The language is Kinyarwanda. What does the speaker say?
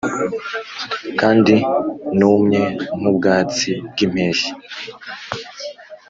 Kandi numye nkubwatsi bwimpeshyi